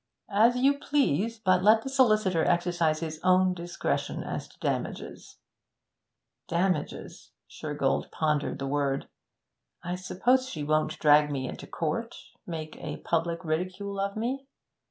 'As you please. But let the solicitor exercise his own discretion as to damages.' 'Damages!' Shergold pondered the word. 'I suppose she won't drag me into court make a public ridicule of me?